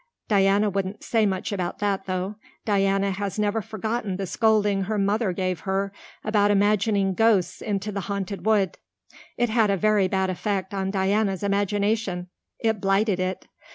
Diana wouldn't say much about that, though. Diana has never forgotten the scolding her mother gave her about imagining ghosts into the Haunted Wood. It had a very bad effect on Diana's imagination. It blighted it.